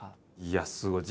いやすごい。